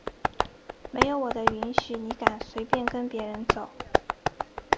没有我的允许你敢随便跟别人走？！